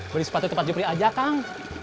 beli sepatu tepat jepri aja kang